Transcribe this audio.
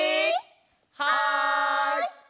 はい！